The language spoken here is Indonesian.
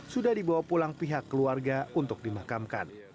sudah dibawa pulang pihak keluarga untuk dimakamkan